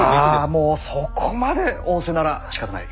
あもうそこまで仰せならしかたない。